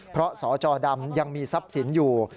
เพราะสจดำยังมีทรัพย์สินอยู่